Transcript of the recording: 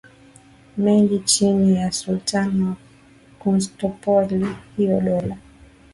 mengi chini ya Sultani wa Konstantinopoli Hilo dola